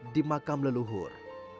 di makam leluhur